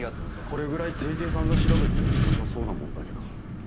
これぐらい定型さんが調べててもよさそうなもんだけど。